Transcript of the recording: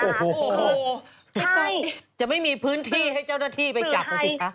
โอ้โฮจะไม่มีพื้นที่ให้เจ้าหน้าที่ไปจับตัวสิคะ